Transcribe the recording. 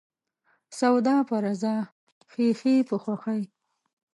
سوداپه رضا ، خيښي په خوښي.